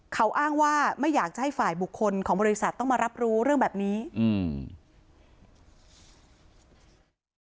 เขาอ้างว่าไม่อยากจะให้ฝ่ายบุคคลของบริษัทต้องมารับรู้เรื่องแบบนี้อืม